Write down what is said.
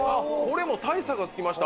大差がつきました。